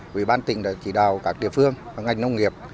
quỹ ban tỉnh đã chỉ đào các địa phương ngành nông nghiệp